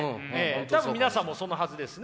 多分皆さんもそのはずですね